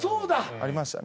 ありましたね。